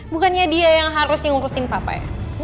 bukannya dia yang harusnya ngurusin papa ya